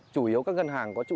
chủ yếu các ngân hàng có trụ sở